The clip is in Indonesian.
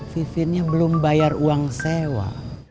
vivinya belum bayar uang sewa